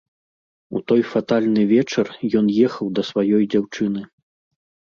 У той фатальны вечар ён ехаў да сваёй дзяўчыны.